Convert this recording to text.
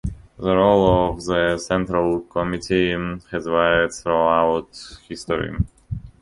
The role of the Central Committee has varied throughout history.